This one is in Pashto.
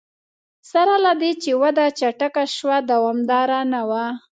سره له دې چې وده چټکه شوه دوامداره نه وه.